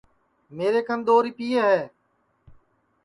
میرے کن دؔو ریپئے ہے